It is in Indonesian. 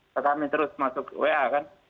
ke kami terus masuk wa kan